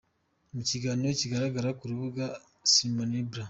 Mu kiganiro kigaragara ku rubuga salmaibra.